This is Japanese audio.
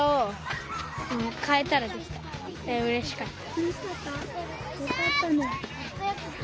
うれしかった。